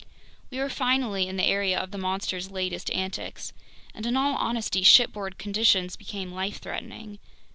We were finally in the area of the monster's latest antics! And in all honesty, shipboard conditions became life threatening.